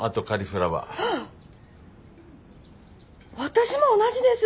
私も同じです！